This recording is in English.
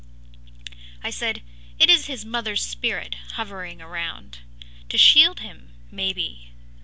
“I said: ‘It is his mother’s spirit Hovering around To shield him, maybe!